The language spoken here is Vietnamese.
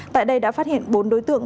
tại đây đã phát hiện bốn đối tượng